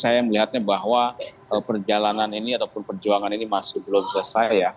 saya melihatnya bahwa perjalanan ini ataupun perjuangan ini masih belum selesai ya